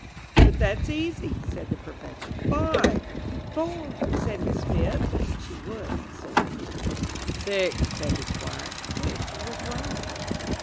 "But that's easy," said the Professor. "Five." "Four," said Miss Phipps. (She would. Silly kid!) "Six," said the Squire. Which was right?